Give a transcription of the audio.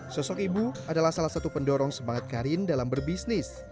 sosok ibu adalah salah satu pendorong semangat karin dalam berbisnis